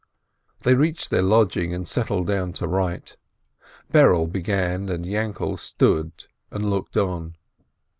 They reached their lodging, and settled down to write. Berele began, and Yainkele stood and looked on.